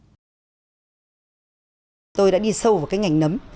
bà phạm thị cúc giáo sư tiến sĩ nguyễn ân dũng